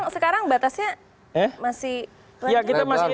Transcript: sekarang batasnya masih pelan pelan